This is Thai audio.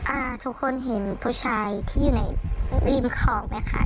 อ่าทุกคนเห็นผู้ชายที่อยู่ในริมคลองไหมคะ